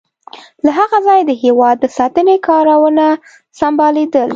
له هغه ځایه د هېواد د ساتنې کارونه سمبالیدل.